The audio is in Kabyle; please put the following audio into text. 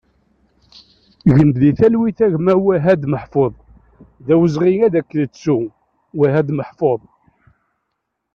Gen di talwit a gma Wahad Meḥfouḍ, d awezɣi ad k-nettu! Wahad Meḥfouḍ